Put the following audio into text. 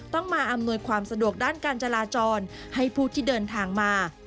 ต้องมาอำนวยความสะดวกด้านการจราจรให้ผู้ที่เดินทางมา